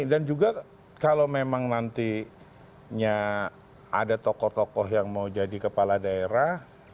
dan juga kalau memang nantinya ada tokoh tokoh yang mau jadi kepala daerah